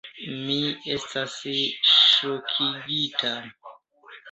Mi estas ŝokigita!